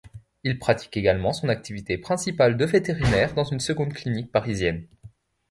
Il pratique également son activité principale de vétérinaire dans une seconde clinique parisienne.